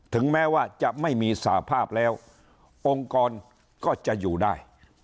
ถึงแม้ว่าจะไม่มีสภาพแล้วองค์กรก็จะอยู่ได้